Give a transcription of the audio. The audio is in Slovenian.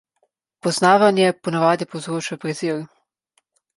Poznavanje po navadi povzroča prezir.